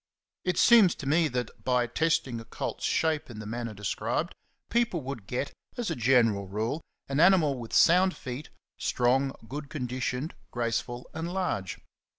It seems to me that, by testing a colt's shape in the manner described, people would get, as a general rule, an animal with sound feet, strong, good conditioned, grace ful, and large.